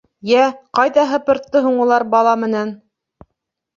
Йә, ҡайҙа һыпыртты һуң улар бала менән?